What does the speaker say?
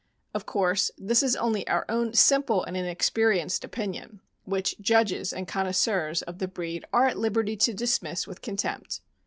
Of course this is only our own simple and inexperienced opinion, which judges and connoisseurs of the breed are at liberty to dismiss with contempt.